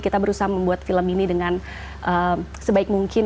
kita berusaha membuat film ini dengan sebaik mungkin